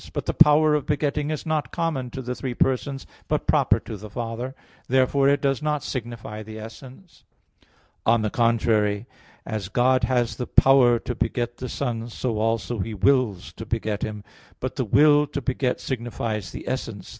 But the power of begetting is not common to the three persons, but proper to the Father. Therefore it does not signify the essence. On the contrary, As God has the power to beget the Son, so also He wills to beget Him. But the will to beget signifies the essence.